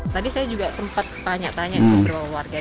tadi saya juga sempat tanya tanya ke warga